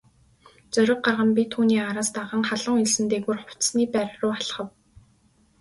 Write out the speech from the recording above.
Зориг гарган би түүний араас даган халуун элсэн дээгүүр хувцасны байр руу алхав.